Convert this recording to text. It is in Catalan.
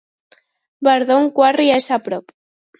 Bardon Quarry és a prop.